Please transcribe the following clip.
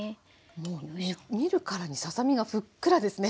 もう見るからにささ身がふっくらですね。